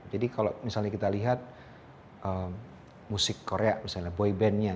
jadi kalau misalnya kita lihat musik korea misalnya boy bandnya